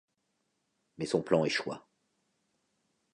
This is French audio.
Mais son plan échoua.